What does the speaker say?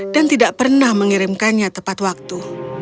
dan tidak pernah mengirimkannya tepat waktu